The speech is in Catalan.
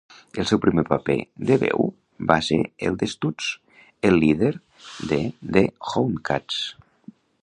El seu primer paper de veu va ser el de Stutz, el líder de "The Houndcats".